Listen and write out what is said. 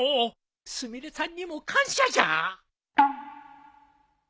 すみれさんにも感謝じゃ！